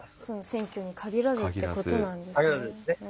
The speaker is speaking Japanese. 選挙に限らずっていうことなんですね。